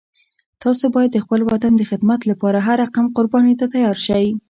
تاسو باید د خپل وطن د خدمت لپاره هر رقم قربانی ته تیار شئ